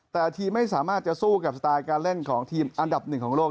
แต่ทีมไม่สามารถจะสู้กับสไตล์การเล่นของทีมอันดับหนึ่งของโลก